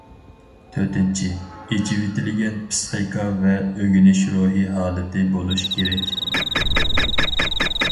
تۆتىنچى، ئېچىۋېتىلگەن پىسخىكا ۋە ئۆگىنىش روھى ھالىتى بولۇش كېرەك.